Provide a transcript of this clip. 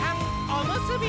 おむすび！